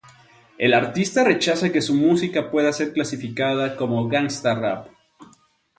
El artista rechaza que su música pueda ser clasificada como gangsta rap.